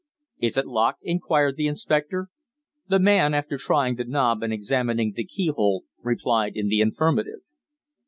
"Is it locked?" inquired the inspector. The man, after trying the knob and examining the keyhole, replied in the affirmative.